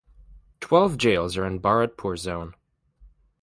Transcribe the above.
Twelve jails are in Bharatpur zone.